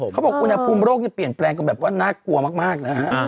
เขาบอกอุณหภูมิโรคนี้เปลี่ยนแปลงกันแบบว่าน่ากลัวมากนะฮะ